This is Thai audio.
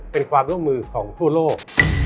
เป็นความร่วมมือของทั่วโลก